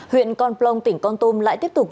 huyện con plong tỉnh con tôm lại tiếp tục